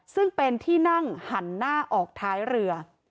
ซึ่งเป็นที่นั่งหันหน้าออกท้ายเรือ